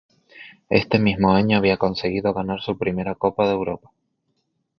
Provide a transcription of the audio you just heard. Este mismo año había conseguido ganar su primera Copa de Europa.